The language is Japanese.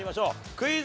クイズ。